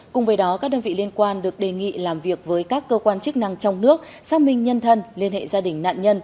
cùng với đó các đơn vị liên quan được đề nghị làm việc với các cơ quan chức năng trong nước xác minh nhân thân liên hệ gia đình nạn nhân